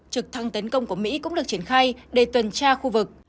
trực thăng tấn công của mỹ cũng được triển khai để tuần tra khu vực